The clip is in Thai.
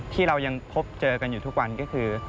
ที่เรายังพบเจอกันอยู่ทุกวันก็คือ